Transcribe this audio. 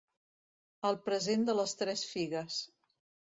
El present de les tres figues.